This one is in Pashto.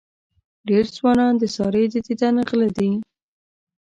ډېر ځوانان د سارې د دیدن غله دي.